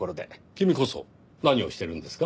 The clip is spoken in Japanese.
君こそ何をしてるんですか？